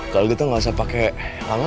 kalau kita gak usah pakai lama